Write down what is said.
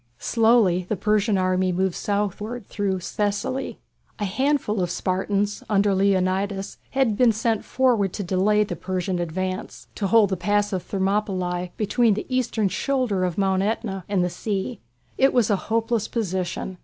Slowly the Persian army moved southward through Thessaly. A handful of Spartans, under Leonidas, had been sent forward to delay the Persian advance. They held the Pass of Thermopylæ, between the eastern shoulder of Mount Æta and the sea. It was a hopeless position.